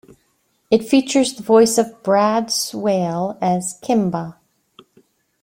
It features the voice of Brad Swaile as Kimba.